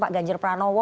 pak ganjar pranowo